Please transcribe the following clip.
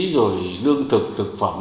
rồi đương thực thực phẩm